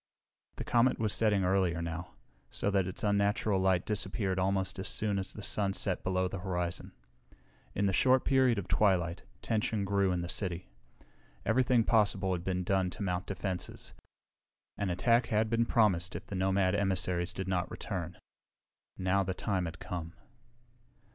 The comet was setting earlier now, so that its unnatural light disappeared almost as soon as the sun set below the horizon. In the short period of twilight, tension grew in the city. Everything possible had been done to mount defenses. An attack had been promised if the nomad emissaries did not return. Now the time had come.